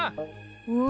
うん。